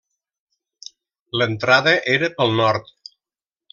L'entrada era pel nord.